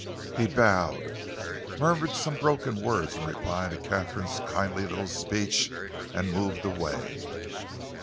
He bowed, murmured some broken words in reply to Katharine's kindly little speech, and moved away.